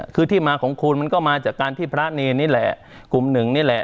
คือที่มาของคุณมันก็มาจากการที่พระเนรนี่แหละกลุ่มหนึ่งนี่แหละ